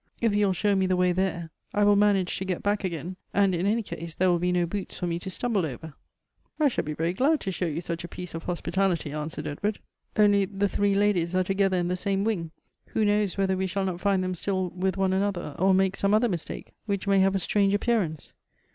If you will show me the way there, I will manage to get back again ; and in any case, there will be no boots for me to stumble over." Elective Affinities. 99 " I shall be very glad to show you such a piece of hos pitality," answered Edward ;" only the three ladies are together in the same wing. Who knows whether we shall not find theni still with one another, or make some other mistake, which may have a strange appearance?"